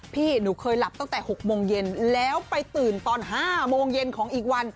พี่หนูเคยหลับตั้งแต่๖โมงเย็นแล้วไปตื่นตอน๕โมงเย็นของอีกวัน